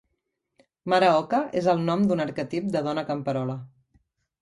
Mare Oca és el nom d'un arquetip de dona camperola.